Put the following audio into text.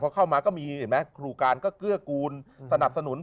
พอเข้ามาก็มีเห็นไหมครูการก็เกื้อกูลสนับสนุน